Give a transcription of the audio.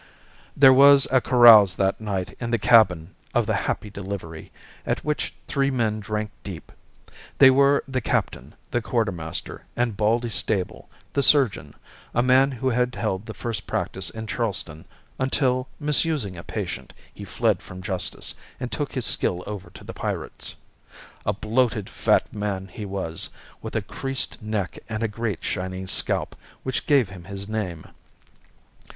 There was a carouse that night in the cabin of The Happy Delivery, at which three men drank deep. They were the captain, the quartermaster, and Baldy Stable, the surgeon, a man who had held the first practice in Charleston, until, misusing a patient, he fled from justice, and took his skill over to the pirates. A bloated fat man he was, with a creased neck and a great shining scalp, which gave him his name.